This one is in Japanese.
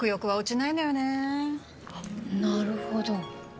なるほど。